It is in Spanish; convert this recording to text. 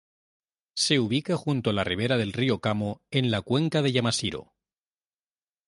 Se ubica junto a la ribera del río Kamo en la cuenca de Yamashiro.